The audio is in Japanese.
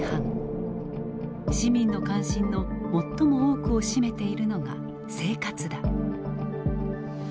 市民の関心の最も多くを占めているのが「生活」だ。